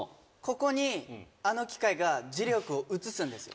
ここにあの機械が磁力を移すんです。